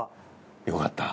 よかった。